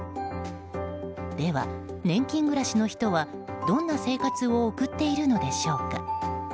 では、年金暮らしの人はどんな生活を送っているのでしょうか。